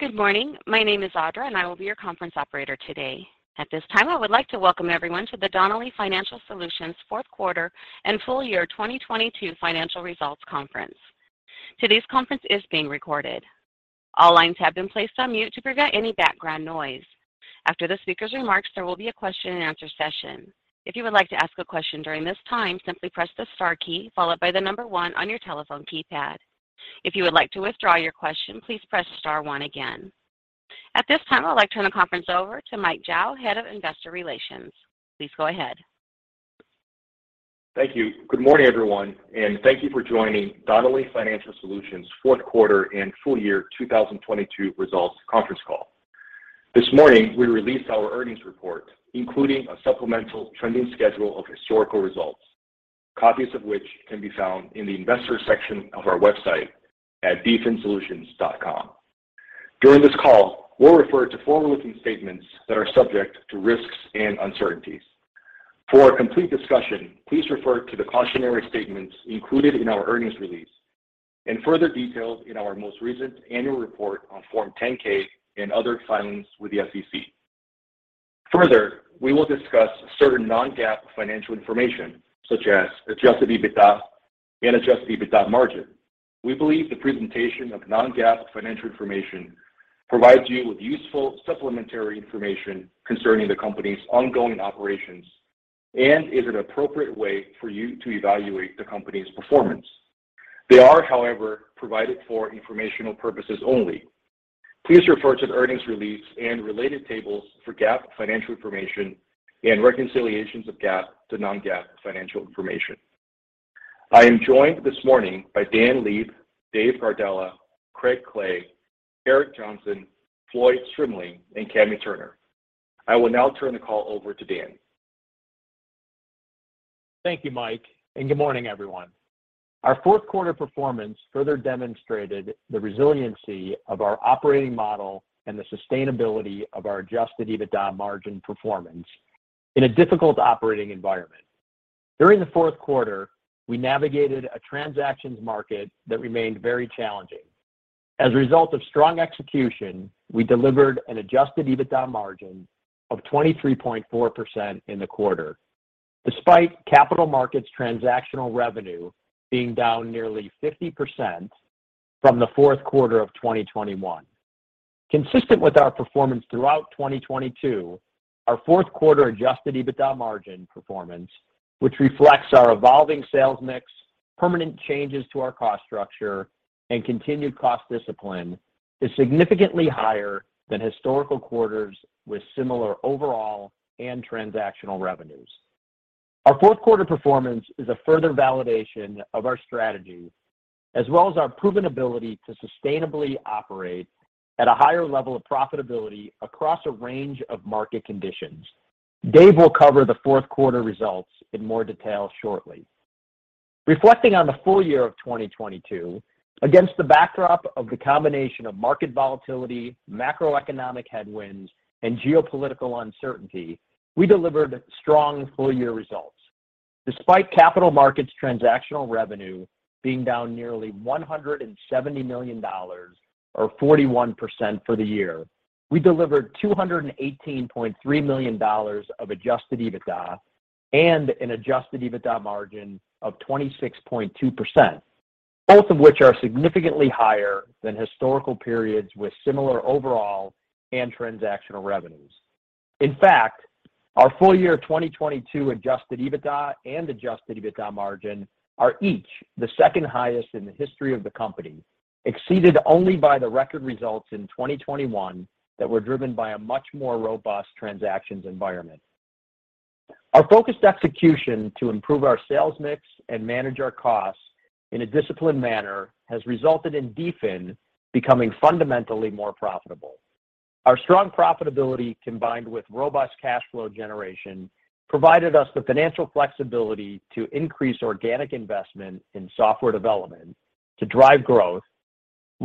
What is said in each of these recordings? Good morning. My name is Audra, and I will be your conference operator today. At this time, I would like to welcome everyone to the Donnelley Financial Solutions fourth quarter and full year 2022 financial results conference. Today's conference is being recorded. All lines have been placed on mute to prevent any background noise. After the speaker's remarks, there will be a question-and-answer session. If you would like to ask a question during this time, simply press the star key followed by the number 1 on your telephone keypad. If you would like to withdraw your question, please press star 1 again. At this time, I'd like to turn the conference over to Michael Zhao, Head of Investor Relations. Please go ahead. Thank you. Good morning, everyone, and thank you for joining Donnelley Financial Solutions fourth quarter and full year 2022 results conference call. This morning, we released our earnings report, including a supplemental trending schedule of historical results, copies of which can be found in the Investors section of our website at dfinsolutions.com. During this call, we'll refer to forward-looking statements that are subject to risks and uncertainties. For a complete discussion, please refer to the cautionary statements included in our earnings release and further details in our most recent annual report on Form 10-K and other filings with the SEC. We will discuss certain non-GAAP financial information, such as adjusted EBITDA and adjusted EBITDA margin. We believe the presentation of non-GAAP financial information provides you with useful supplementary information concerning the company's ongoing operations and is an appropriate way for you to evaluate the company's performance. They are, however, provided for informational purposes only. Please refer to the earnings release and related tables for GAAP financial information and reconciliations of GAAP to non-GAAP financial information. I am joined this morning by Dan Leib, Dave Gardella, Craig Clay, Eric Johnson, Floyd Strimling, and Kami Turner. I will now turn the call over to Dan. Thank you, Mike. Good morning, everyone. Our fourth quarter performance further demonstrated the resiliency of our operating model and the sustainability of our adjusted EBITDA margin performance in a difficult operating environment. During the fourth quarter, we navigated a transactions market that remained very challenging. As a result of strong execution, we delivered an adjusted EBITDA margin of 23.4% in the quarter, despite capital markets transactional revenue being down nearly 50% from the fourth quarter of 2021. Consistent with our performance throughout 2022, our fourth quarter adjusted EBITDA margin performance, which reflects our evolving sales mix, permanent changes to our cost structure, and continued cost discipline, is significantly higher than historical quarters with similar overall and transactional revenues. Our fourth quarter performance is a further validation of our strategy as well as our proven ability to sustainably operate at a higher level of profitability across a range of market conditions. Dave will cover the fourth quarter results in more detail shortly. Reflecting on the full year of 2022, against the backdrop of the combination of market volatility, macroeconomic headwinds, and geopolitical uncertainty, we delivered strong full-year results. Despite capital markets transactional revenue being down nearly $170 million or 41% for the year, we delivered $218.3 million of adjusted EBITDA and an adjusted EBITDA margin of 26.2%, both of which are significantly higher than historical periods with similar overall and transactional revenues. In fact, our full year 2022 adjusted EBITDA and adjusted EBITDA margin are each the second highest in the history of the company, exceeded only by the record results in 2021 that were driven by a much more robust transactions environment. Our focused execution to improve our sales mix and manage our costs in a disciplined manner has resulted in DFIN becoming fundamentally more profitable. Our strong profitability, combined with robust cash flow generation, provided us the financial flexibility to increase organic investment in software development to drive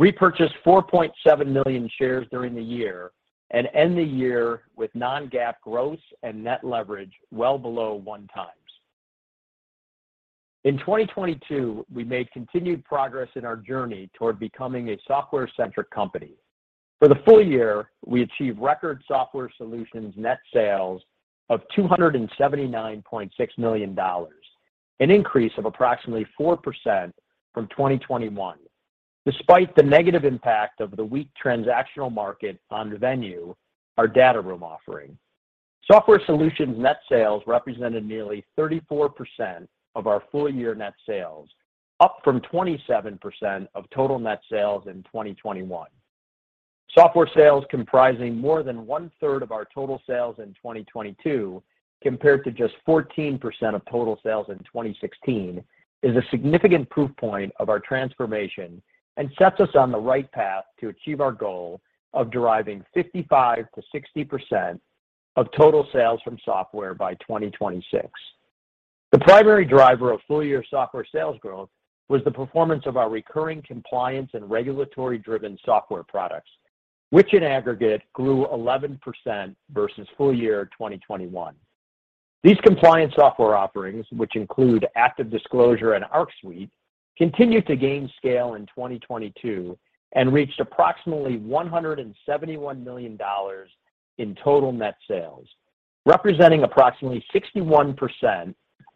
growth, repurchase 4.7 million shares during the year, and end the year with non-GAAP gross and net leverage well below 1 times. In 2022, we made continued progress in our journey toward becoming a software-centric company. For the full year, we achieved record software solutions net sales of $279.6 million, an increase of approximately 4% from 2021, despite the negative impact of the weak transactional market on Venue, our data room offering. Software solutions net sales represented nearly 34% of our full year net sales, up from 27% of total net sales in 2021. Software sales comprising more than 1/3 of our total sales in 2022 compared to just 14% of total sales in 2016 is a significant proof point of our transformation and sets us on the right path to achieve our goal of deriving 55%-60% of total sales from software by 2026. The primary driver of full year software sales growth was the performance of our recurring compliance and regulatory-driven software products, which in aggregate grew 11% versus full year 2021. These compliance software offerings, which include ActiveDisclosure and ArcSuite, continued to gain scale in 2022 and reached approximately $171 million in total net sales, representing approximately 61%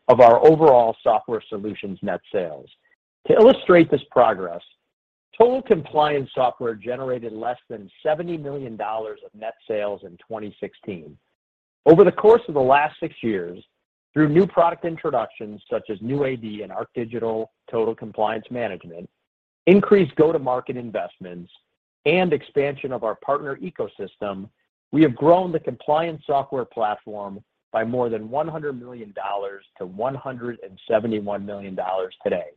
of our overall software solutions net sales. To illustrate this progress, total compliance software generated less than $70 million of net sales in 2016. Over the course of the last 6 years, through new product introductions such as New AD and ArcDigital Total Compliance Management, increased go-to-market investments, and expansion of our partner ecosystem, we have grown the compliance software platform by more than $100 million to $171 million today,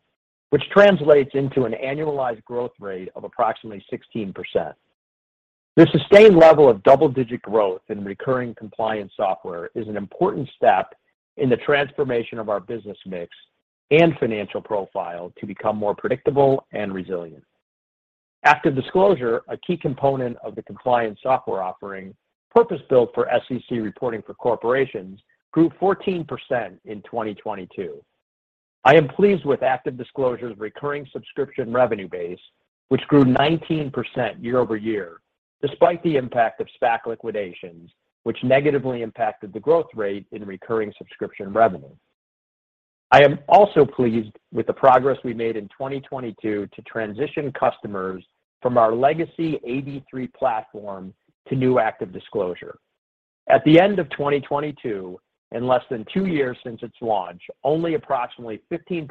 which translates into an annualized growth rate of approximately 16%. The sustained level of double-digit growth in recurring compliance software is an important step in the transformation of our business mix and financial profile to become more predictable and resilient. ActiveDisclosure, a key component of the compliance software offering, purpose-built for SEC reporting for corporations, grew 14% in 2022. I am pleased with ActiveDisclosure's recurring subscription revenue base, which grew 19% year-over-year, despite the impact of SPAC liquidations, which negatively impacted the growth rate in recurring subscription revenue. I am also pleased with the progress we made in 2022 to transition customers from our legacy AD3 platform to new ActiveDisclosure. At the end of 2022, in less than two years since its launch, only approximately 15%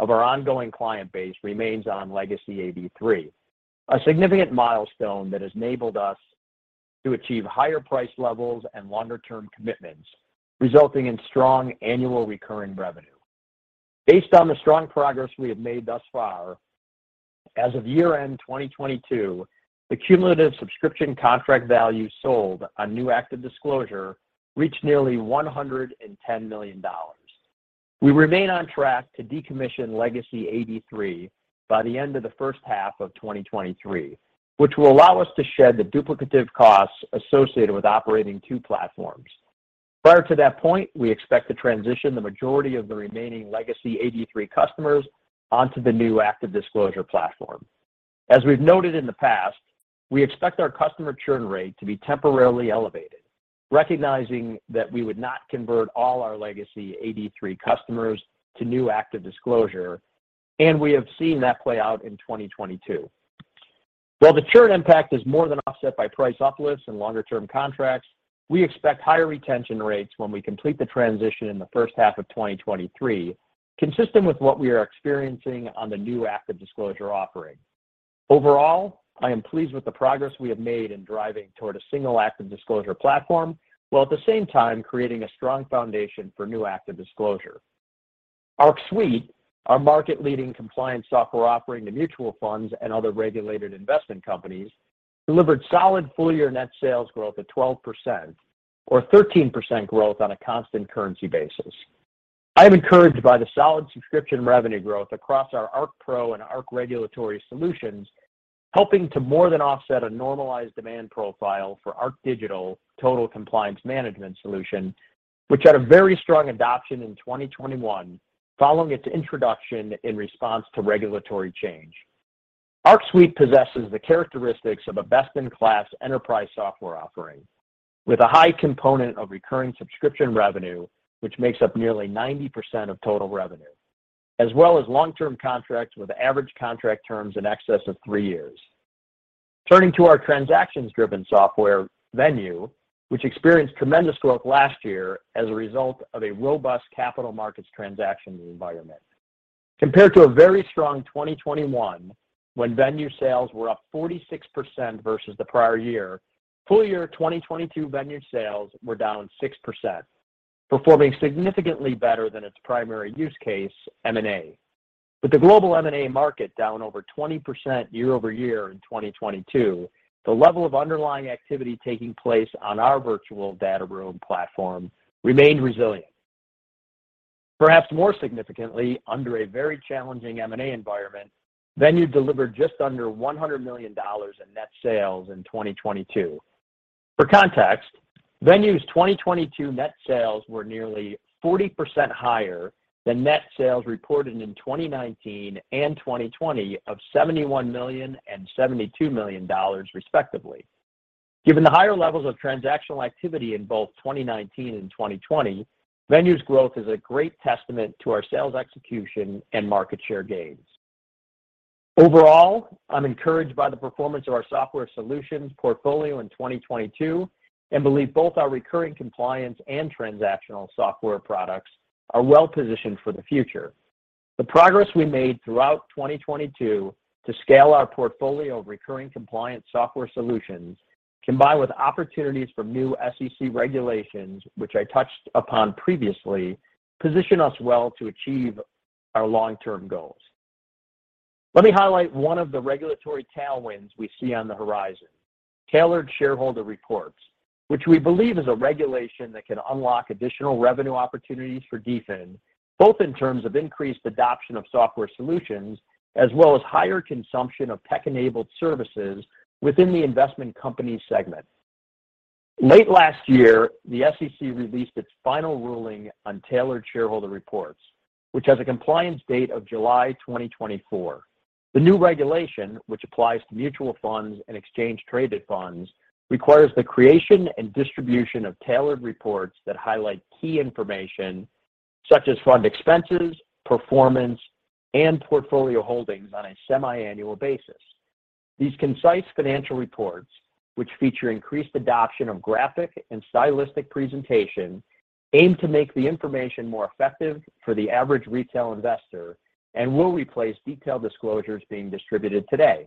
of our ongoing client base remains on legacy AD3, a significant milestone that has enabled us to achieve higher price levels and longer-term commitments, resulting in strong annual recurring revenue. Based on the strong progress we have made thus far, as of year-end 2022, the cumulative subscription contract value sold on new ActiveDisclosure reached nearly $110 million. We remain on track to decommission legacy AD3 by the end of the first half of 2023, which will allow us to shed the duplicative costs associated with operating two platforms. Prior to that point, we expect to transition the majority of the remaining legacy AD3 customers onto the new ActiveDisclosure platform. As we've noted in the past, we expect our customer churn rate to be temporarily elevated, recognizing that we would not convert all our legacy AD3 customers to new ActiveDisclosure, and we have seen that play out in 2022. While the churn impact is more than offset by price uplifts and longer-term contracts, we expect higher retention rates when we complete the transition in the first half of 2023, consistent with what we are experiencing on the new ActiveDisclosure offering. Overall, I am pleased with the progress we have made in driving toward a single ActiveDisclosure platform, while at the same time creating a strong foundation for new ActiveDisclosure. ArcSuite, our market-leading compliance software offering to mutual funds and other regulated investment companies, delivered solid full-year net sales growth at 12% or 13% growth on a constant currency basis. I am encouraged by the solid subscription revenue growth across our ArcPro and ArcRegulatory Solutions, helping to more than offset a normalized demand profile for ArcDigital Total Compliance Management Solution, which had a very strong adoption in 2021 following its introduction in response to regulatory change. ArcSuite possesses the characteristics of a best-in-class enterprise software offering with a high component of recurring subscription revenue, which makes up nearly 90% of total revenue, as well as long-term contracts with average contract terms in excess of 3 years. Turning to our transactions-driven software Venue, which experienced tremendous growth last year as a result of a robust capital markets transactions environment. Compared to a very strong 2021, when Venue sales were up 46% versus the prior year, full-year 2022 Venue sales were down 6%, performing significantly better than its primary use case, M&A. With the global M&A market down over 20% year-over-year in 2022, the level of underlying activity taking place on our virtual data room platform remained resilient. Perhaps more significantly, under a very challenging M&A environment, Venue delivered just under $100 million in net sales in 2022. For context, Venue's 2022 net sales were nearly 40% higher than net sales reported in 2019 and 2020 of $71 million and $72 million, respectively. Given the higher levels of transactional activity in both 2019 and 2020, Venue's growth is a great testament to our sales execution and market share gains. Overall, I'm encouraged by the performance of our software solutions portfolio in 2022 and believe both our recurring compliance and transactional software products are well positioned for the future. The progress we made throughout 2022 to scale our portfolio of recurring compliance software solutions, combined with opportunities from new SEC regulations, which I touched upon previously, position us well to achieve our long-term goals. Let me highlight one of the regulatory tailwinds we see on the horizon, Tailored Shareholder Reports, which we believe is a regulation that can unlock additional revenue opportunities for DFIN, both in terms of increased adoption of software solutions as well as higher consumption of tech-enabled services within the investment company segment. Late last year, the SEC released its final ruling on Tailored Shareholder Reports, which has a compliance date of July 2024. The new regulation, which applies to mutual funds and exchange-traded funds, requires the creation and distribution of Tailored Shareholder Reports that highlight key information such as fund expenses, performance, and portfolio holdings on a semiannual basis. These concise financial reports, which feature increased adoption of graphic and stylistic presentation, aim to make the information more effective for the average retail investor and will replace detailed disclosures being distributed today.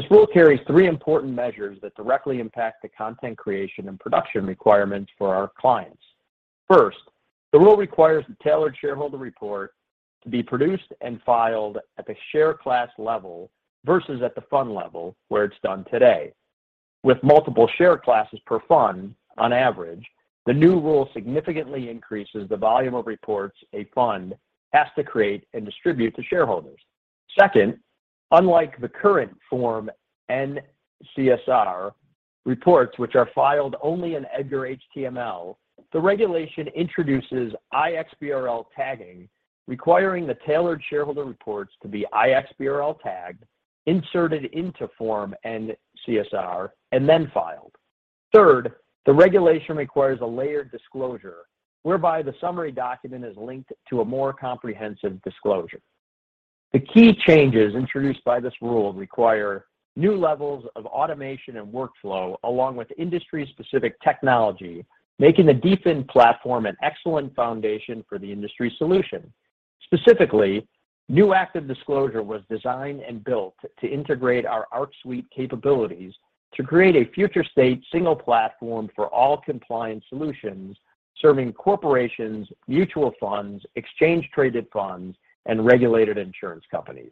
This rule carries three important measures that directly impact the content creation and production requirements for our clients. First, the rule requires the Tailored Shareholder Report to be produced and filed at the share class level versus at the fund level, where it's done today. With multiple share classes per fund on average, the new rule significantly increases the volume of reports a fund has to create and distribute to shareholders. Second, unlike the current Form N-CSR reports, which are filed only in EDGAR HTML, the regulation introduces iXBRL tagging, requiring the Tailored Shareholder Reports to be iXBRL tagged, inserted into Form N-CSR, and then filed. Third, the regulation requires a layered disclosure whereby the summary document is linked to a more comprehensive disclosure. The key changes introduced by this rule require new levels of automation and workflow along with industry-specific technology, making the DFIN platform an excellent foundation for the industry solution. Specifically, new ActiveDisclosure was designed and built to integrate our ArcSuite capabilities to create a future state single platform for all compliance solutions serving corporations, mutual funds, exchange-traded funds, and regulated insurance companies.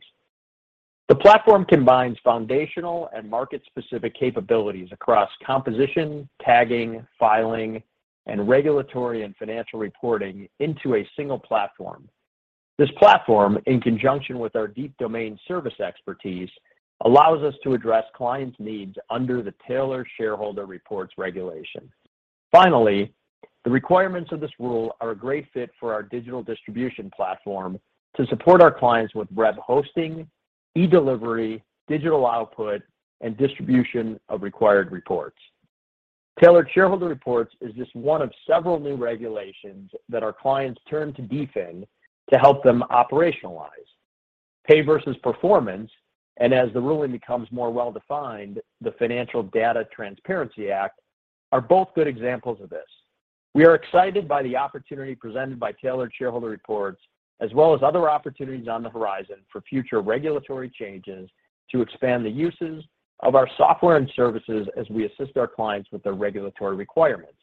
The platform combines foundational and market-specific capabilities across composition, tagging, filing, and regulatory and financial reporting into a single platform. This platform, in conjunction with our deep domain service expertise, allows us to address clients' needs under the Tailored Shareholder Reports regulation. Finally, the requirements of this rule are a great fit for our digital distribution platform to support our clients with web hosting, e-delivery, digital output, and distribution of required reports. Tailored Shareholder Reports is just one of several new regulations that our clients turn to DFIN to help them operationalize pay versus performance, and as the ruling becomes more well-defined, the Financial Data Transparency Act are both good examples of this. We are excited by the opportunity presented by Tailored Shareholder Reports, as well as other opportunities on the horizon for future regulatory changes to expand the uses of our software and services as we assist our clients with their regulatory requirements.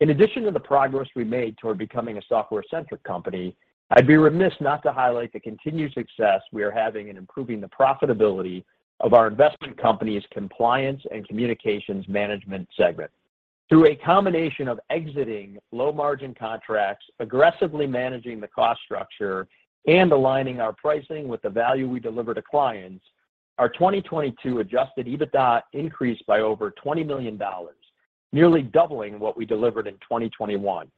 In addition to the progress we made toward becoming a software-centric company, I'd be remiss not to highlight the continued success we are having in improving the profitability of our investment company's compliance and communications management segment. Through a combination of exiting low-margin contracts, aggressively managing the cost structure, and aligning our pricing with the value we deliver to clients, our 2022 adjusted EBITDA increased by over $20 million, nearly doubling what we delivered in 2021.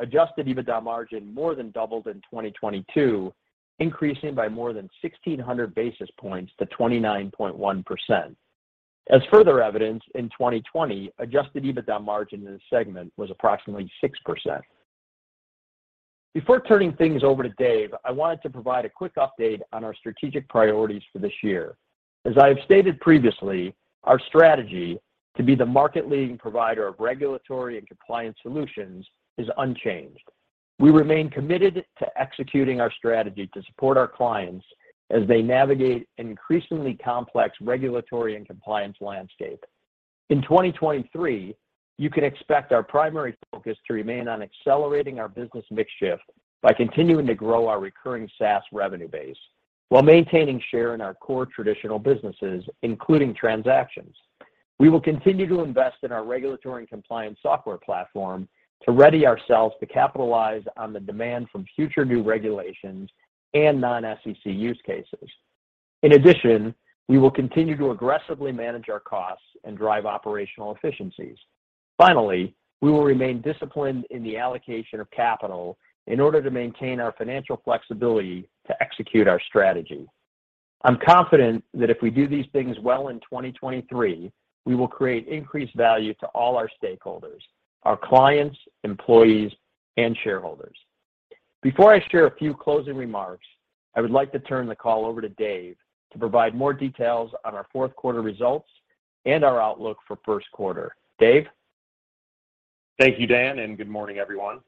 adjusted EBITDA margin more than doubled in 2022, increasing by more than 1,600 basis points to 29.1%. As further evidence, in 2020, adjusted EBITDA margin in the segment was approximately 6%. Before turning things over to Dave, I wanted to provide a quick update on our strategic priorities for this year. As I have stated previously, our strategy to be the market leading provider of regulatory and compliance solutions is unchanged. We remain committed to executing our strategy to support our clients as they navigate an increasingly complex regulatory and compliance landscape. In 2023, you can expect our primary focus to remain on accelerating our business mix shift by continuing to grow our recurring SaaS revenue base while maintaining share in our core traditional businesses, including transactions. We will continue to invest in our regulatory and compliance software platform to ready ourselves to capitalize on the demand from future new regulations and non-SEC use cases. In addition, we will continue to aggressively manage our costs and drive operational efficiencies. Finally, we will remain disciplined in the allocation of capital in order to maintain our financial flexibility to execute our strategy. I'm confident that if we do these things well in 2023, we will create increased value to all our stakeholders, our clients, employees, and shareholders. Before I share a few closing remarks, I would like to turn the call over to Dave to provide more details on our fourth quarter results and our outlook for first quarter. Dave? Thank you, Dan, good morning, everyone.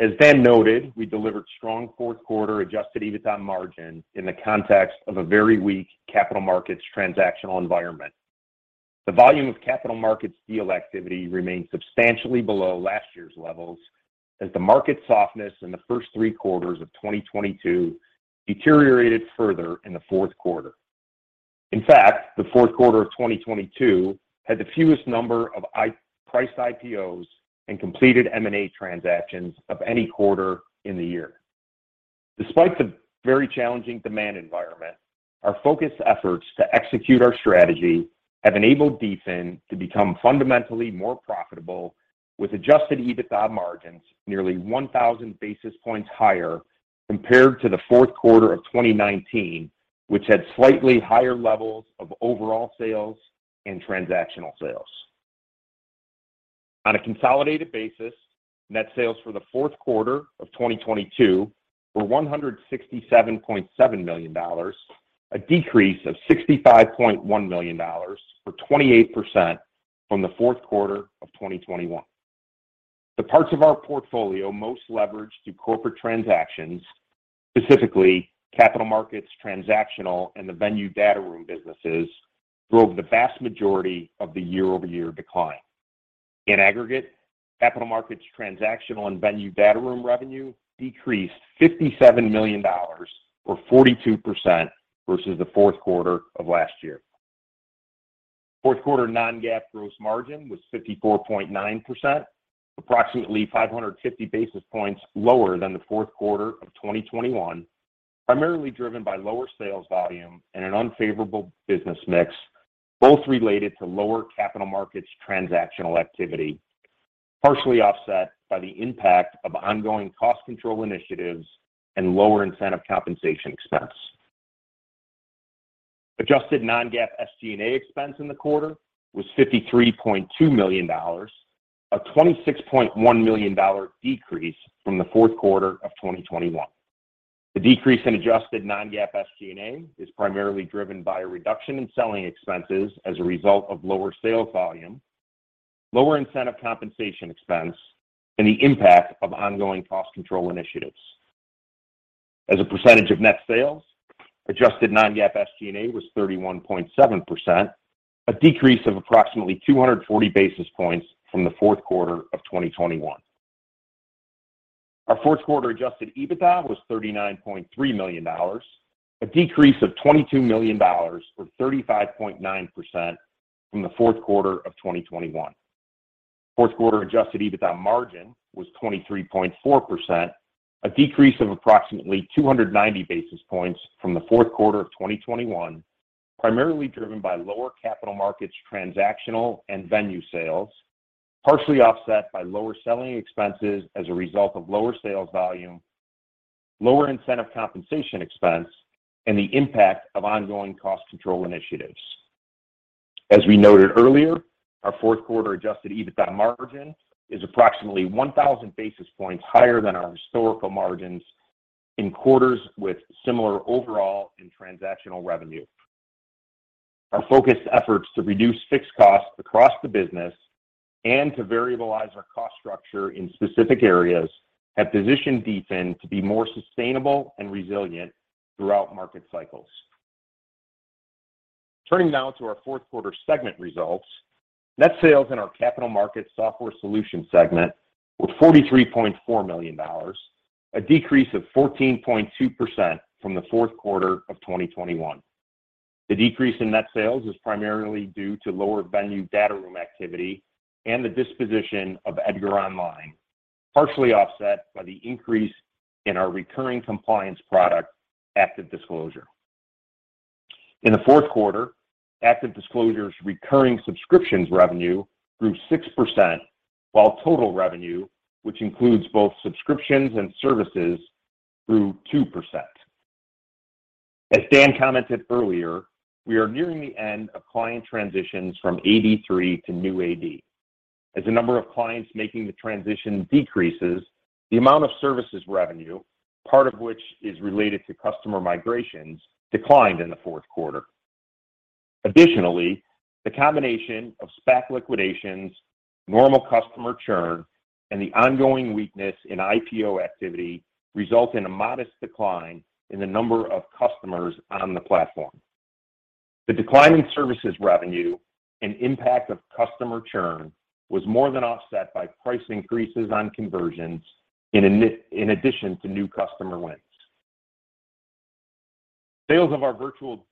As Dan noted, we delivered strong fourth quarter adjusted EBITDA margin in the context of a very weak capital markets transactional environment. The volume of capital markets deal activity remained substantially below last year's levels as the market softness in the first three quarters of 2022 deteriorated further in the fourth quarter. In fact, the fourth quarter of 2022 had the fewest number of priced IPOs and completed M&A transactions of any quarter in the year. Despite the very challenging demand environment, our focused efforts to execute our strategy have enabled DFIN to become fundamentally more profitable with adjusted EBITDA margins nearly 1,000 basis points higher compared to the fourth quarter of 2019, which had slightly higher levels of overall sales and transactional sales. On a consolidated basis, net sales for the fourth quarter of 2022 were $167.7 million, a decrease of $65.1 million, or 28%, from the fourth quarter of 2021. The parts of our portfolio most leveraged through corporate transactions, specifically capital markets, transactional, and the Venue Data Room businesses, drove the vast majority of the year-over-year decline. In aggregate, capital markets, transactional, and Venue Data Room revenue decreased $57 million, or 42%, versus the fourth quarter of last year. Fourth quarter non-GAAP gross margin was 54.9%, approximately 550 basis points lower than the fourth quarter of 2021, primarily driven by lower sales volume and an unfavorable business mix, both related to lower capital markets transactional activity, partially offset by the impact of ongoing cost control initiatives and lower incentive compensation expense. Adjusted non-GAAP SG&A expense in the quarter was $53.2 million, a $26.1 million decrease from the fourth quarter of 2021. The decrease in adjusted non-GAAP SG&A is primarily driven by a reduction in selling expenses as a result of lower sales volume, lower incentive compensation expense, and the impact of ongoing cost control initiatives. As a percentage of net sales, adjusted non-GAAP SG&A was 31.7%, a decrease of approximately 240 basis points from the fourth quarter of 2021. Our fourth quarter adjusted EBITDA was $39.3 million, a decrease of $22 million, or 35.9% from the fourth quarter of 2021. Fourth quarter adjusted EBITDA margin was 23.4%, a decrease of approximately 290 basis points from the fourth quarter of 2021, primarily driven by lower capital markets transactional and Venue sales, partially offset by lower selling expenses as a result of lower sales volume, lower incentive compensation expense, and the impact of ongoing cost control initiatives. As we noted earlier, our fourth quarter adjusted EBITDA margin is approximately 1,000 basis points higher than our historical margins in quarters with similar overall and transactional revenue. Our focused efforts to reduce fixed costs across the business and to variabilize our cost structure in specific areas have positioned DFIN to be more sustainable and resilient throughout market cycles. Turning now to our fourth quarter segment results, net sales in our capital market software solution segment were $43.4 million, a decrease of 14.2% from the fourth quarter of 2021. The decrease in net sales is primarily due to lower Venue Data Room activity and the disposition of EDGAR Online, partially offset by the increase in our recurring compliance product, ActiveDisclosure. In the fourth quarter, ActiveDisclosure's recurring subscriptions revenue grew 6%, while total revenue, which includes both subscriptions and services, grew 2%. As Dan commented earlier, we are nearing the end of client transitions from AD3 to New AD. As the number of clients making the transition decreases, the amount of services revenue, part of which is related to customer migrations, declined in the fourth quarter. Additionally, the combination of SPAC liquidations, normal customer churn, and the ongoing weakness in IPO activity result in a modest decline in the number of customers on the platform. The decline in services revenue and impact of customer churn was more than offset by price increases on conversions in addition to new customer wins. Sales of our virtual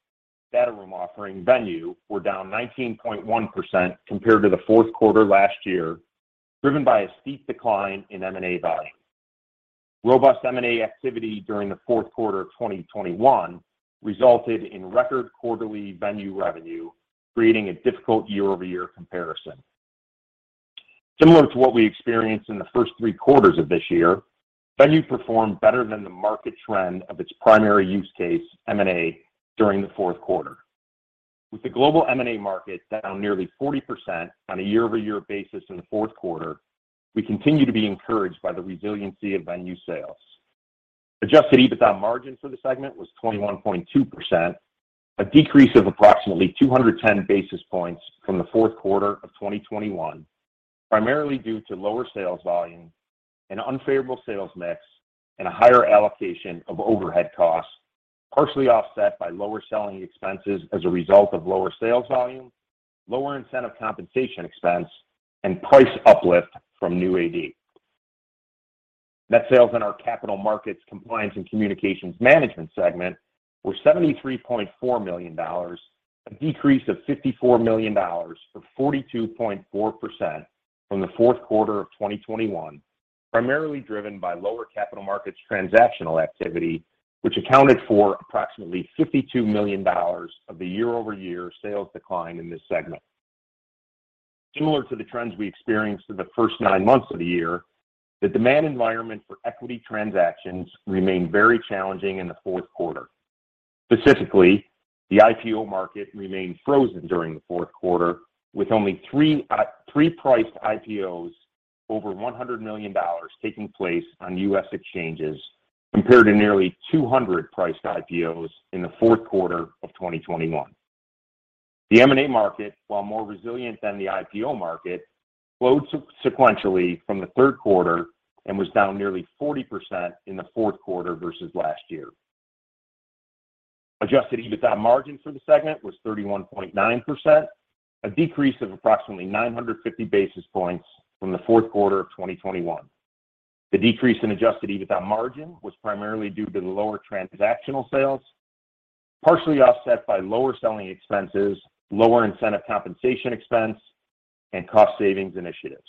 data room offering, Venue, were down 19.1% compared to the fourth quarter last year, driven by a steep decline in M&A volume. Robust M&A activity during the fourth quarter of 2021 resulted in record quarterly Venue revenue, creating a difficult year-over-year comparison. Similar to what we experienced in the first three quarters of this year, Venue performed better than the market trend of its primary use case, M&A, during the fourth quarter. With the global M&A market down nearly 40% on a year-over-year basis in the fourth quarter, we continue to be encouraged by the resiliency of Venue sales. adjusted EBITDA margin for the segment was 21.2%, a decrease of approximately 210 basis points from the fourth quarter of 2021, primarily due to lower sales volume, an unfavorable sales mix, and a higher allocation of overhead costs, partially offset by lower selling expenses as a result of lower sales volume, lower incentive compensation expense, and price uplift from new AD. Net sales in our capital markets compliance and communications management segment were $73.4 million, a decrease of $54 million, or 42.4% from the fourth quarter of 2021, primarily driven by lower capital markets transactional activity, which accounted for approximately $52 million of the year-over-year sales decline in this segment. Similar to the trends we experienced in the first nine months of the year, the demand environment for equity transactions remained very challenging in the fourth quarter. Specifically, the IPO market remained frozen during the fourth quarter, with only three priced IPOs over $100 million taking place on U.S. exchanges, compared to nearly 200 priced IPOs in the fourth quarter of 2021. The M&A market, while more resilient than the IPO market, slowed sequentially from the third quarter and was down nearly 40% in the fourth quarter versus last year. adjusted EBITDA margin for the segment was 31.9%, a decrease of approximately 950 basis points from the fourth quarter of 2021. The decrease in adjusted EBITDA margin was primarily due to the lower transactional sales, partially offset by lower selling expenses, lower incentive compensation expense, and cost savings initiatives.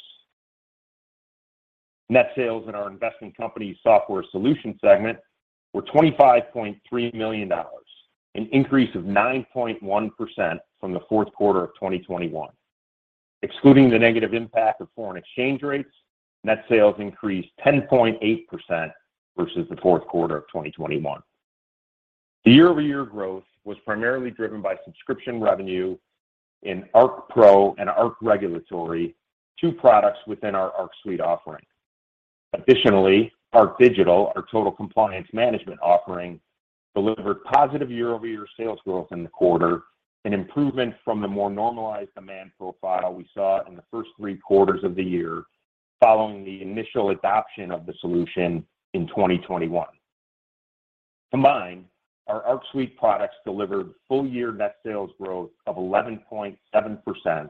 Net sales in our investment company software solution segment were $25.3 million, an increase of 9.1% from the fourth quarter of 2021. Excluding the negative impact of foreign exchange rates, net sales increased 10.8% versus the fourth quarter of 2021. The year-over-year growth was primarily driven by subscription revenue in ArcPro and ArcRegulatory, two products within our ArcSuite offering. ArcDigital, our total compliance management offering, delivered positive year-over-year sales growth in the quarter, an improvement from the more normalized demand profile we saw in the first three quarters of the year following the initial adoption of the solution in 2021. Combined, our ArcSuite products delivered full year net sales growth of 11.7%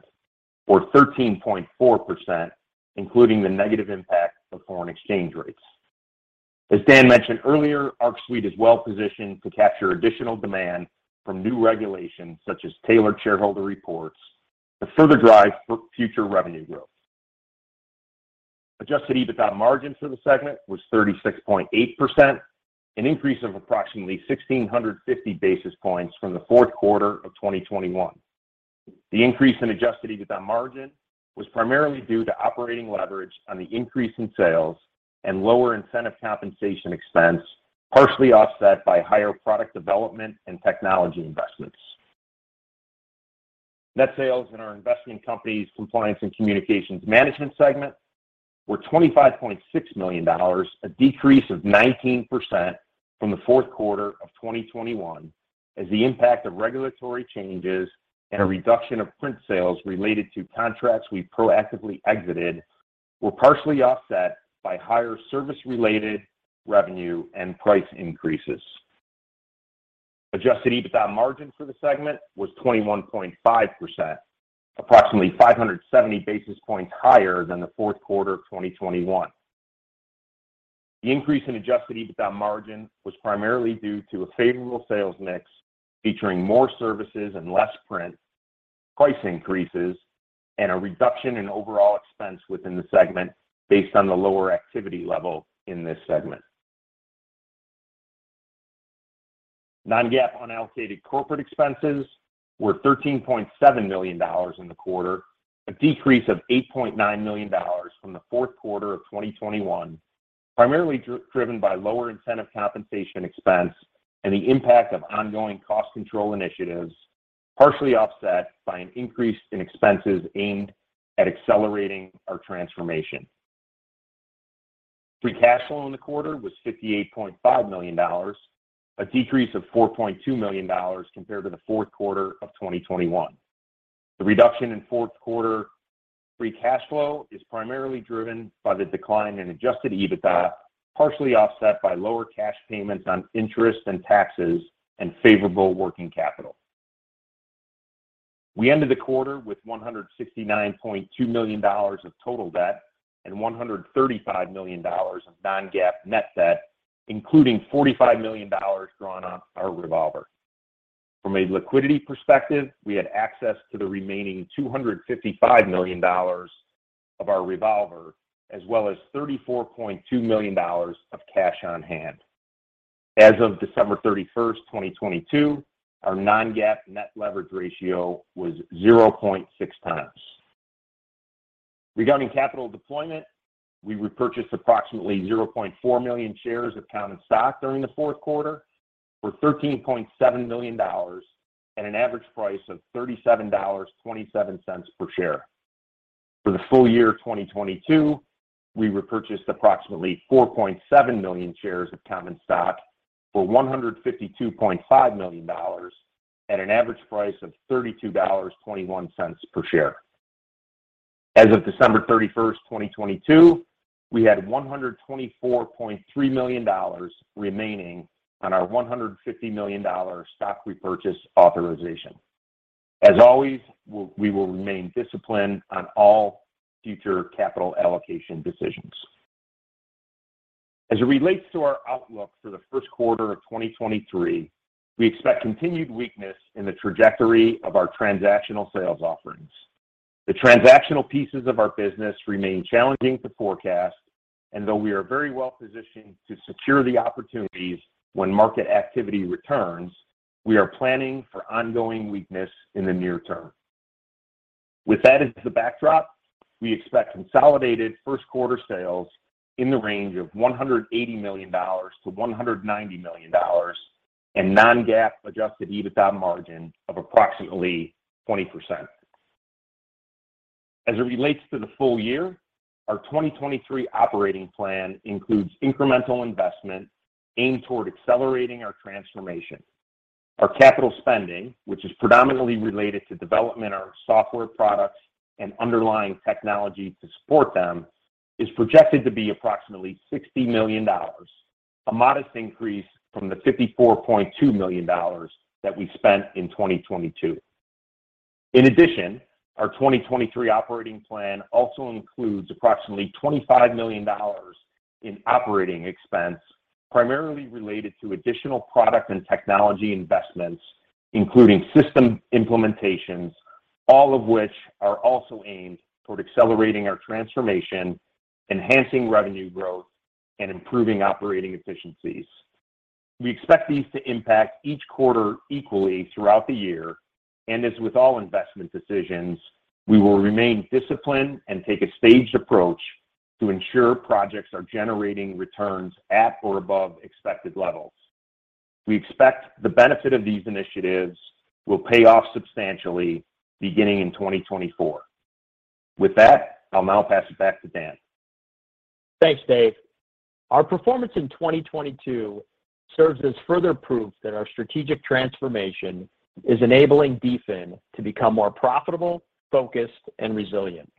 or 13.4%, including the negative impact of foreign exchange rates. As Dan Leib mentioned earlier, ArcSuite is well-positioned to capture additional demand from new regulations such as Tailored Shareholder Reports to further drive for future revenue growth. Adjusted EBITDA margin for the segment was 36.8%, an increase of approximately 1,650 basis points from the fourth quarter of 2021. The increase in adjusted EBITDA margin was primarily due to operating leverage on the increase in sales and lower incentive compensation expense, partially offset by higher product development and technology investments. Net sales in our investment company's compliance and communications management segment were $25.6 million, a decrease of 19% from the fourth quarter of 2021, as the impact of regulatory changes and a reduction of print sales related to contracts we proactively exited were partially offset by higher service-related revenue and price increases. adjusted EBITDA margin for the segment was 21.5%, approximately 570 basis points higher than the fourth quarter of 2021. The increase in adjusted EBITDA margin was primarily due to a favorable sales mix featuring more services and less print, price increases, and a reduction in overall expense within the segment based on the lower activity level in this segment. Non-GAAP unallocated corporate expenses were $13.7 million in the quarter, a decrease of $8.9 million from the fourth quarter of 2021, primarily driven by lower incentive compensation expense and the impact of ongoing cost control initiatives, partially offset by an increase in expenses aimed at accelerating our transformation. Free cash flow in the quarter was $58.5 million, a decrease of $4.2 million compared to the fourth quarter of 2021. The reduction in fourth quarter free cash flow is primarily driven by the decline in adjusted EBITDA, partially offset by lower cash payments on interest and taxes and favorable working capital. We ended the quarter with $169.2 million of total debt and $135 million of non-GAAP net debt, including $45 million drawn on our revolver. From a liquidity perspective, we had access to the remaining $255 million of our revolver, as well as $34.2 million of cash on hand. As of December 31st, 2022, our non-GAAP net leverage ratio was 0.6 times. Regarding capital deployment, we repurchased approximately 0.4 million shares of common stock during the fourth quarter for $13.7 million at an average price of $37.27 per share. For the full year 2022, we repurchased approximately 4.7 million shares of common stock for $152.5 million at an average price of $32.21 per share. As of December 31st, 2022, we had $124.3 million remaining on our $150 million stock repurchase authorization. As always, we will remain disciplined on all future capital allocation decisions. As it relates to our outlook for the first quarter of 2023, we expect continued weakness in the trajectory of our transactional sales offerings. The transactional pieces of our business remain challenging to forecast, and though we are very well-positioned to secure the opportunities when market activity returns, we are planning for ongoing weakness in the near term. With that as the backdrop, we expect consolidated first quarter sales in the range of $180 million-$190 million and non-GAAP adjusted EBITDA margin of approximately 20%. As it relates to the full year, our 2023 operating plan includes incremental investment aimed toward accelerating our transformation. Our capital spending, which is predominantly related to development of our software products and underlying technology to support them, is projected to be approximately $60 million, a modest increase from the $54.2 million that we spent in 2022. Our 2023 operating plan also includes approximately $25 million in operating expense, primarily related to additional product and technology investments, including system implementations, all of which are also aimed toward accelerating our transformation, enhancing revenue growth, and improving operating efficiencies. We expect these to impact each quarter equally throughout the year. As with all investment decisions, we will remain disciplined and take a staged approach to ensure projects are generating returns at or above expected levels. We expect the benefit of these initiatives will pay off substantially beginning in 2024. With that, I'll now pass it back to Dan. Thanks, Dave. Our performance in 2022 serves as further proof that our strategic transformation is enabling DFIN to become more profitable, focused, and resilient.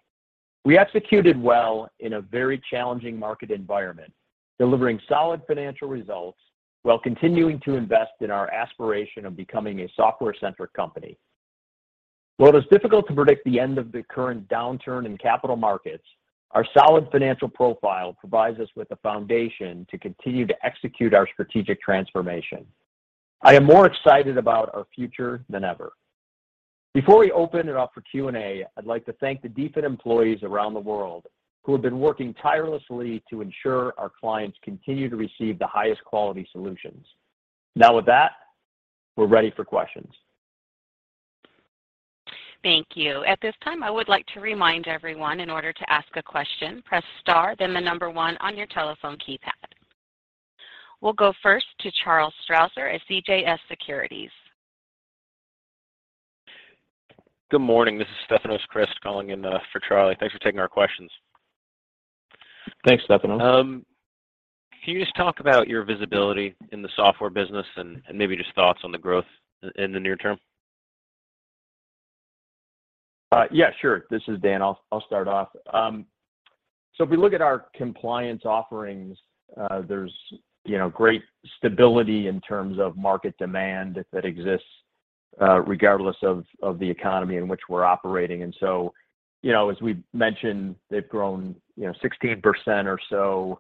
We executed well in a very challenging market environment, delivering solid financial results while continuing to invest in our aspiration of becoming a software-centric company. While it is difficult to predict the end of the current downturn in capital markets, our solid financial profile provides us with the foundation to continue to execute our strategic transformation. I am more excited about our future than ever. Before we open it up for Q&A, I'd like to thank the DFIN employees around the world who have been working tirelessly to ensure our clients continue to receive the highest quality solutions. With that, we're ready for questions. Thank you. At this time, I would like to remind everyone in order to ask a question, press star, then the number 1 on your telephone keypad. We'll go first to Charles Strauzer at CJS Securities. Good morning. This is Stefanos Crist calling in for Charlie. Thanks for taking our questions. Thanks, Stefanos. Can you just talk about your visibility in the software business and maybe just thoughts on the growth in the near term? Yeah, sure. This is Dan. I'll start off. If we look at our compliance offerings, there's, you know, great stability in terms of market demand that exists regardless of the economy in which we're operating. You know, as we've mentioned, they've grown, you know, 16% or so,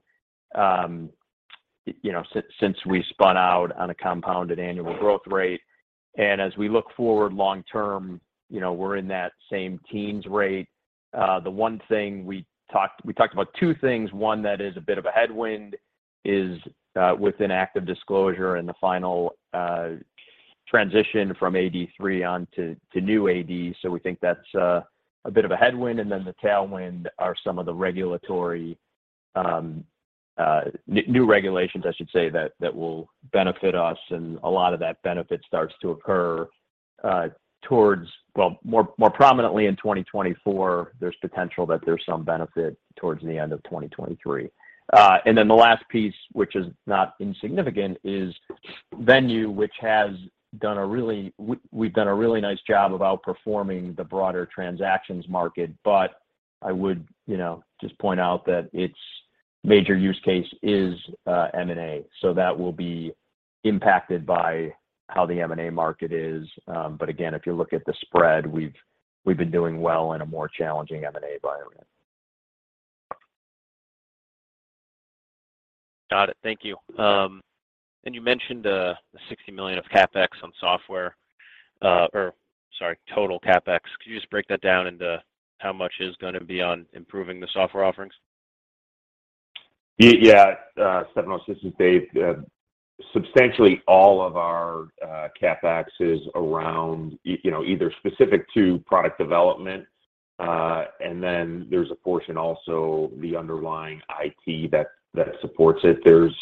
you know, since we spun out on a compounded annual growth rate. As we look forward long term, you know, we're in that same teens rate. The one thing we talked about two things. One that is a bit of a headwind is within ActiveDisclosure and the final transition from AD3 on to New AD. We think that's a bit of a headwind. The tailwind are some of the regulatory new regulations, I should say, that will benefit us. A lot of that benefit starts to occur towards... Well, more prominently in 2024. There's potential that there's some benefit towards the end of 2023. The last piece, which is not insignificant, is Venue, which we've done a really nice job of outperforming the broader transactions market. I would, you know, just point out that its major use case is M&A. That will be impacted by how the M&A market is. Again, if you look at the spread, we've been doing well in a more challenging M&A environment. Got it. Thank you. You mentioned, the $60 million of CapEx on software, or sorry, total CapEx. Could you just break that down into how much is gonna be on improving the software offerings? Yeah. Stefanos, this is Dave. Substantially all of our CapEx is around you know, either specific to product development, and then there's a portion also the underlying IT that supports it. There's,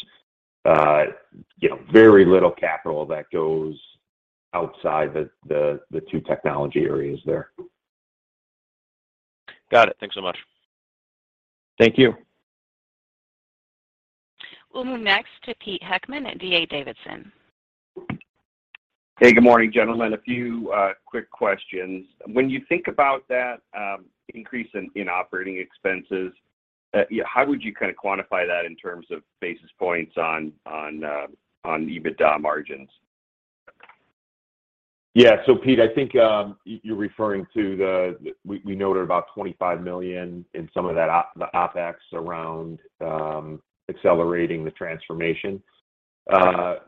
you know, very little capital that goes outside the two technology areas there. Got it. Thanks so much. Thank you. We'll move next to Peter Heckmann at D.A. Davidson. Hey, good morning, gentlemen. A few quick questions. When you think about that increase in operating expenses, how would you kind of quantify that in terms of basis points on EBITDA margins? Yeah. Peter, I think, you're referring to. We noted about $25 million in some of that OpEx around, accelerating the transformation.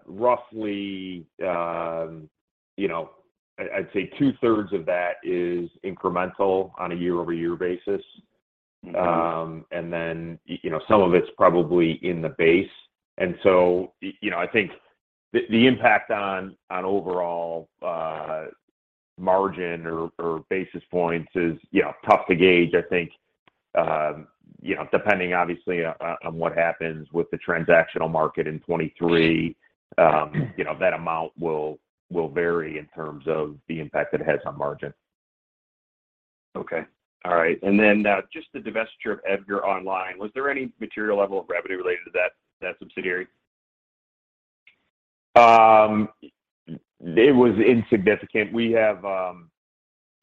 Roughly, you know, I'd say two-thirds of that is incremental on a year-over-year basis. Mm-hmm. You know, some of it's probably in the base. You know, I think the impact on overall margin or basis points is, you know, tough to gauge. You know, depending obviously on what happens with the transactional market in 2023, you know, that amount will vary in terms of the impact it has on margin. Okay. All right. Just the divestiture of EDGAR Online, was there any material level of revenue related to that subsidiary? It was insignificant.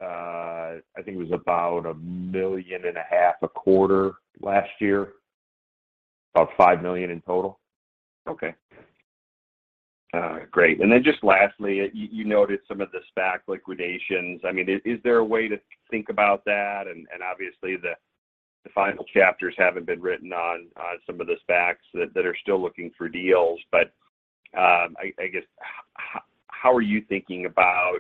I think it was about a million and a half a quarter last year. About $5 million in total? Okay. Great. Then just lastly, you noted some of the SPAC liquidations. I mean, is there a way to think about that? Obviously the final chapters haven't been written on some of the SPACs that are still looking for deals. I guess how are you thinking about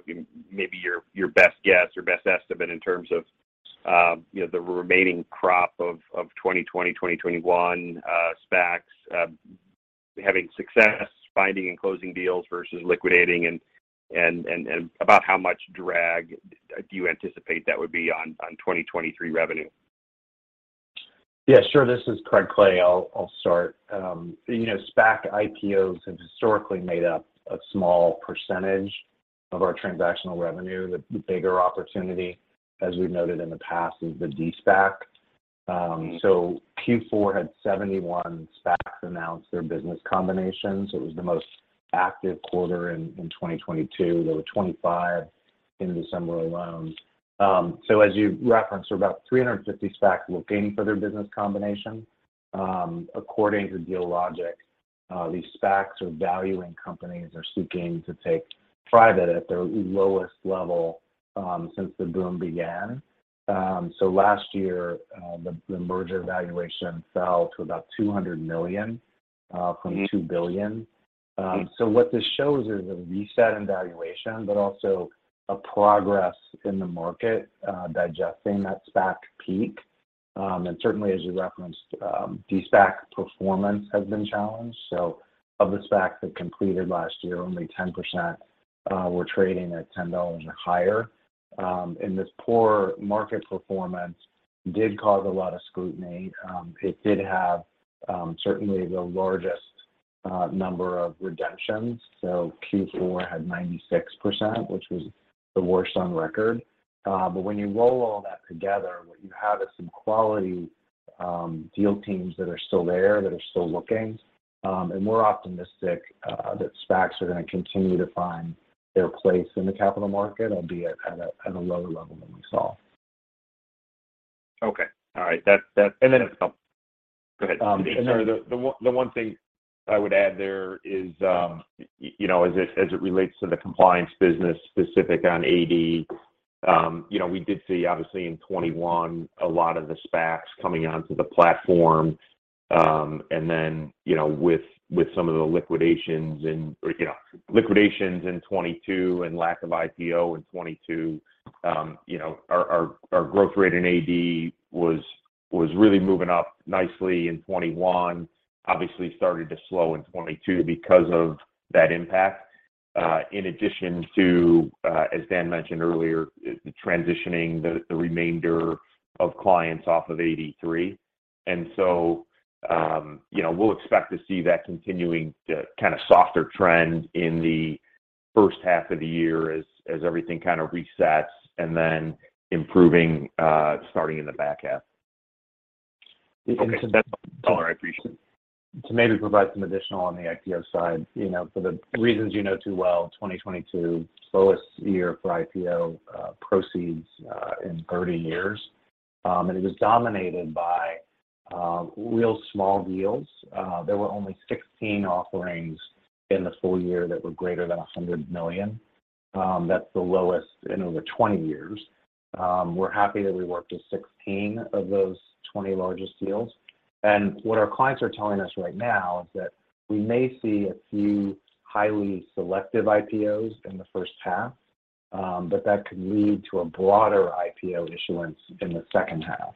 maybe your best guess or best estimate in terms of, you know, the remaining crop of 2020, 2021 SPACs having success finding and closing deals versus liquidating and about how much drag do you anticipate that would be on 2023 revenue? Yeah, sure. This is Craig Clay. I'll start. You know, SPAC IPOs have historically made up a small percentage of our transactional revenue. The bigger opportunity, as we've noted in the past, is the De-SPAC. Q4 had 71 SPACs announce their business combinations. It was the most active quarter in 2022. There were 25 in December alone. As you referenced, there are about 350 SPACs looking for their business combination. According to Dealogic, these SPACs are valuing companies or seeking to take private at their lowest level since the boom began. Last year, the merger valuation fell to about $200 million. Mm-hmm... from $2 billion. What this shows is a reset in valuation, but also a progress in the market digesting that SPAC peak. Certainly, as you referenced, De-SPAC performance has been challenged. Of the SPACs that completed last year, only 10% were trading at $10 or higher. This poor market performance did cause a lot of scrutiny. It did have certainly the largest number of redemptions. Q4 had 96%, which was the worst on record. When you roll all that together, what you have is some quality deal teams that are still there, that are still looking. We're optimistic that SPACs are gonna continue to find their place in the capital market, albeit at a lower level than we saw. Okay. All right. That's. That's all. Go ahead. The one thing I would add there is, you know, as it relates to the compliance business specific on AD, you know, we did see obviously in 2021 a lot of the SPACs coming onto the platform. You know, with some of the liquidations in 2022 and lack of IPO in 2022, you know, our growth rate in AD was really moving up nicely in 2021. Obviously started to slow in 2022 because of that impact. In addition to, as Dan mentioned earlier, the transitioning the remainder of clients off of AD3. You know, we'll expect to see that continuing, the kind of softer trend in the first half of the year as everything kind of resets and then improving, starting in the back half. Okay. That's all. I appreciate it. To maybe provide some additional on the IPO side. You know, for the reasons you know too well, 2022 slowest year for IPO proceeds in 30 years. It was dominated by real small deals. There were only 16 offerings in the full year that were greater than $100 million. That's the lowest in over 20 years. We're happy that we worked with 16 of those 20 largest deals. What our clients are telling us right now is that we may see a few highly selective IPOs in the first half, but that could lead to a broader IPO issuance in the second half.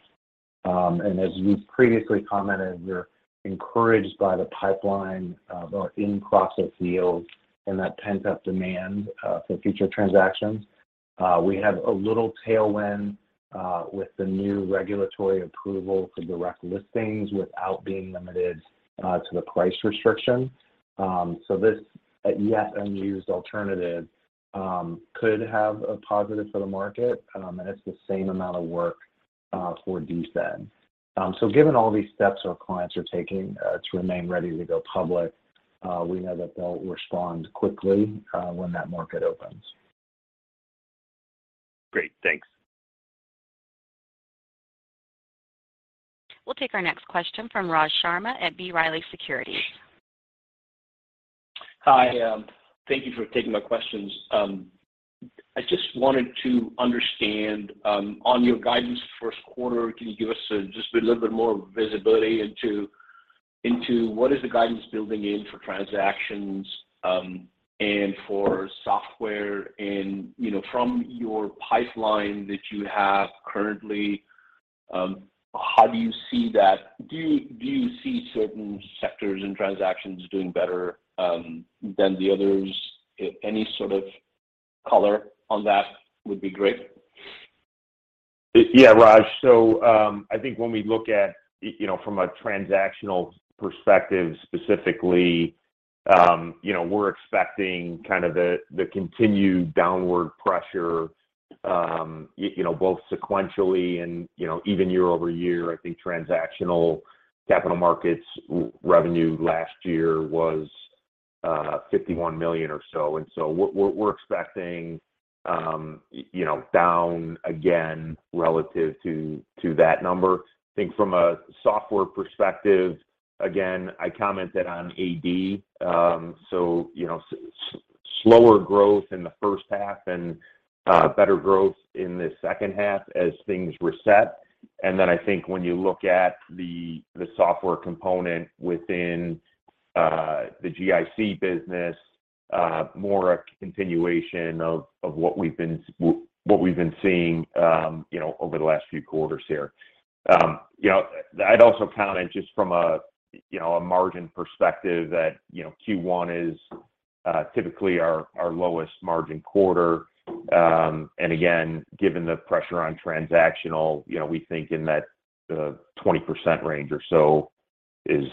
As you previously commented, we're encouraged by the pipeline of our in-process deals and that pent-up demand for future transactions. We have a little tailwind with the new regulatory approval for direct listings without being limited to the price restriction. This yet unused alternative could have a positive for the market, and it's the same amount of work for DFIN. Given all these steps our clients are taking to remain ready to go public, we know that they'll respond quickly when that market opens. Great. Thanks. We'll take our next question from Rajiv Sharma at B. Riley Securities. Hi, thank you for taking my questions. I just wanted to understand, on your guidance first quarter, can you give us just a little bit more visibility into what is the guidance building in for transactions and for software? You know, from your pipeline that you have currently, how do you see that? Do you see certain sectors and transactions doing better than the others? If any sort of color on that would be great. Yeah, Raj. I think when we look at, you know, from a transactional perspective specifically, you know, we're expecting kind of the continued downward pressure, you know, both sequentially and, you know, even year-over-year. I think transactional capital markets revenue last year was $51 million or so. We're expecting, you know, down again relative to that number. I think from a software perspective, again, I commented on AD, so, you know, slower growth in the first half and better growth in the second half as things reset. I think when you look at the software component within the GIC business, more a continuation of what we've been seeing, you know, over the last few quarters here. You know, I'd also comment just from a, you know, a margin perspective that, you know, Q1 is typically our lowest margin quarter. Again, given the pressure on transactional, you know, we think in that 20% range or so is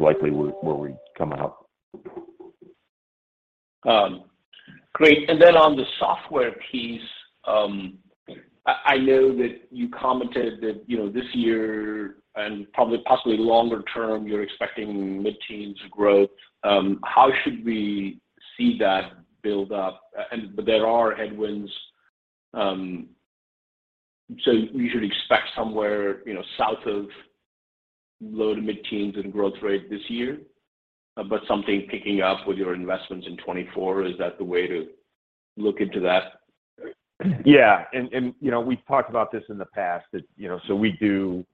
likely where we come out. Great. On the software piece, I know that you commented that, you know, this year and probably possibly longer term, you're expecting mid-teens % growth. How should we see that build up? There are headwinds, so we should expect somewhere, you know, south of low to mid-teens % in growth rate this year, but something picking up with your investments in 2024, is that the way to look into that? Yeah. You know, we've talked about this in the past that, you know, so we do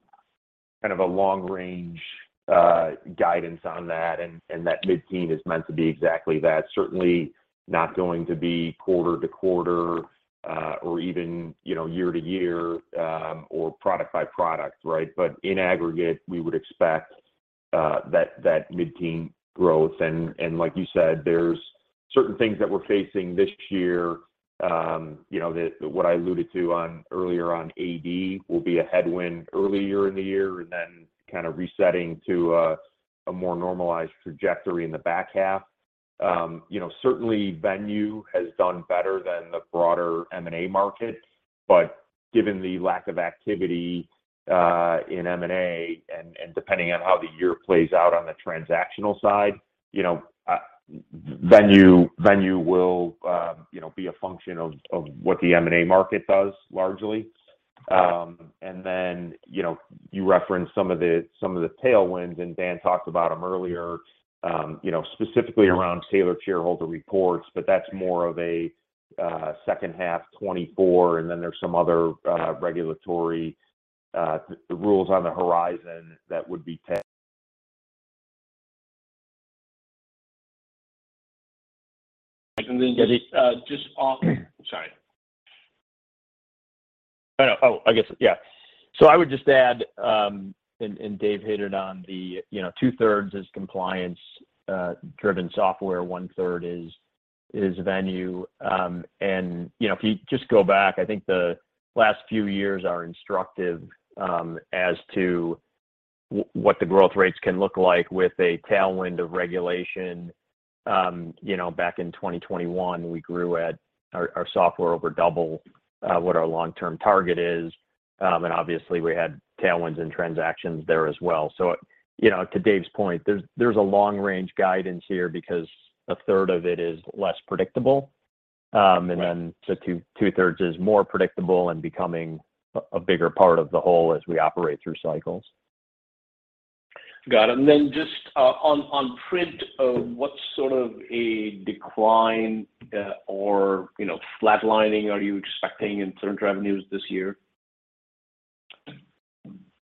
kind of a long range guidance on that. That mid-teen is meant to be exactly that. Certainly not going to be quarter-to-quarter, or even, you know, year-to-year, or product by product, right? In aggregate, we would expect that mid-teen growth. Like you said, there's certain things that we're facing this year, you know, that what I alluded to earlier on AD will be a headwind earlier in the year and then kind of resetting to a more normalized trajectory in the back half. You know, certainly Venue has done better than the broader M&A market. Given the lack of activity in M&A and depending on how the year plays out on the transactional side, Venue will be a function of what the M&A market does largely. You referenced some of the tailwinds, and Dan talked about them earlier, specifically around Tailored Shareholder Reports, that's more of a second half 2024. There's some other regulatory rules on the horizon that would be. Sorry. I guess, I would just add, and Dave hit it on the, you know, 2/3 is compliance driven software, 1/3 is Venue. You know, if you just go back, I think the last few years are instructive as to what the growth rates can look like with a tailwind of regulation. You know, back in 2021, we grew at our software over double what our long-term target is. Obviously we had tailwinds and transactions there as well. You know, to Dave's point, there's a long-range guidance here because 1/3 of it is less predictable. The 2/3 is more predictable and becoming a bigger part of the whole as we operate through cycles. Got it. Then just, on print, what sort of a decline, or, you know, flatlining are you expecting in certain revenues this year?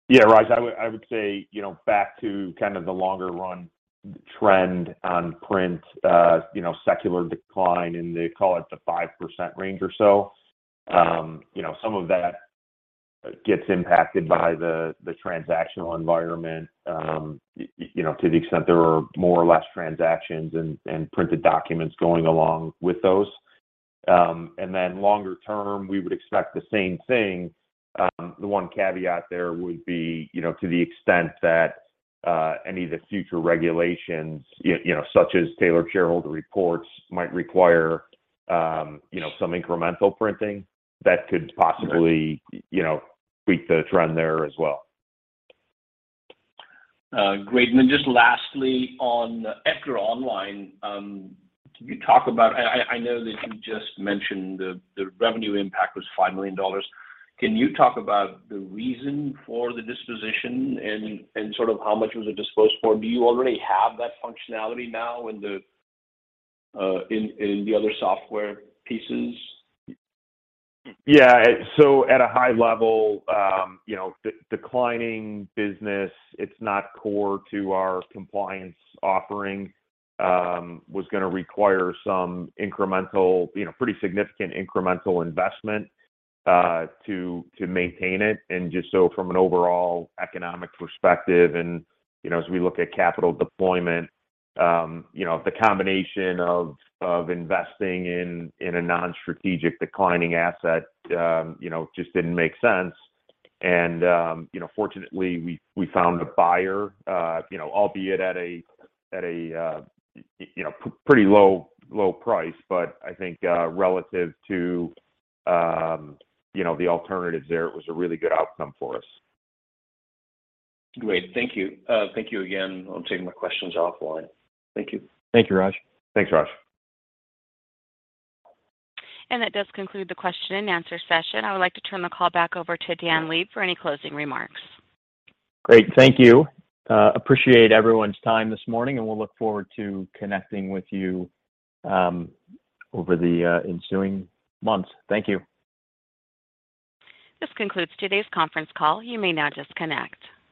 Yeah, Raj. I would, I would say, you know, back to kind of the longer run trend on print, you know, secular decline, and they call it the 5% range or so. You know, some of that gets impacted by the transactional environment, you know, to the extent there are more or less transactions and printed documents going along with those. Then longer term, we would expect the same thing. The one caveat there would be, you know, to the extent that any of the future regulations you know, such as Tailored Shareholder Reports might require, you know, some incremental printing that could possibly. Okay. You know, tweak the trend there as well. Great. Just lastly, on EDGAR Online, can you talk about I know that you just mentioned the revenue impact was $5 million. Can you talk about the reason for the disposition and sort of how much it was disposed for? Do you already have that functionality now in the other software pieces? Yeah. At a high level, you know, declining business, it's not core to our compliance offering, was gonna require some incremental, you know, pretty significant incremental investment to maintain it. Just so from an overall economic perspective and, you know, as we look at capital deployment, you know, the combination of investing in a non-strategic declining asset, you know, just didn't make sense. Fortunately, you know, we found a buyer, you know, albeit at a, at a, you know, pretty low price. I think, relative to, you know, the alternatives there, it was a really good outcome for us. Great. Thank you. Thank you again. I'll take my questions offline. Thank you. Thank you, Raj. Thanks, Raj. That does conclude the question and answer session. I would like to turn the call back over to Dan Leib for any closing remarks. Great. Thank you. Appreciate everyone's time this morning, and we'll look forward to connecting with you, over the ensuing months. Thank you. This concludes today's conference call. You may now disconnect.